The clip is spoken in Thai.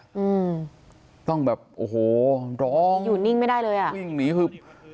อืมต้องแบบโอ้โหร้องอยู่นิ่งไม่ได้เลยอ่ะวิ่งหนีคือ